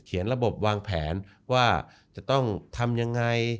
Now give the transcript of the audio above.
ระบบวางแผนว่าจะต้องทำยังไง